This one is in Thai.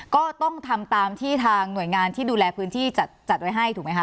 ก็ต้องทำตามที่ทางหน่วยงานที่ดูแลพื้นที่จัดไว้ให้ถูกไหมค